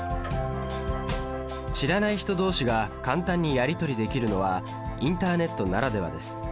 知らない人どうしが簡単にやり取りできるのはインターネットならではです。